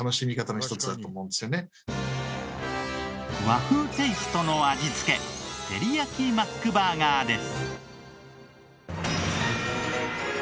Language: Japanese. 和風テイストの味付けてりやきマックバーガーです。